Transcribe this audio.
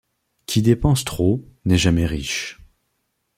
Qui dépense trop n’est jamais riche.